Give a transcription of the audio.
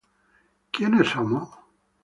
¿Quiénes somos?